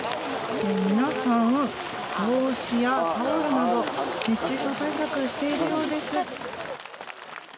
皆さん、帽子やタオルなど熱中症対策をしているようです。